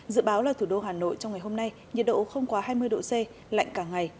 dự báo là thủ đô hà nội trong ngày hôm nay nhiệt độ không quá hai mươi độ c lạnh cả ngày